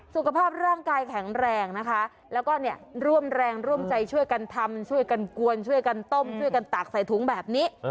สุขภาพร่างกายแข็งแรงนะคะแล้วก็เนี่ยร่วมแรงร่วมใจช่วยกันทำช่วยกันกวนช่วยกันต้มช่วยกันตากใส่ถุงแบบนี้